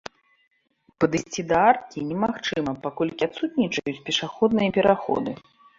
Падысці да аркі немагчыма, паколькі адсутнічаюць пешаходныя пераходы.